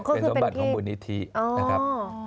เป็นสมบัติของมูลนิธินะครับ